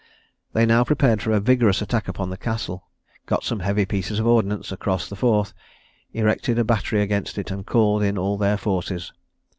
They now prepared for a vigorous attack upon the castle, got some heavy pieces of ordnance across the Forth, erected a battery against it, and called in all their forces.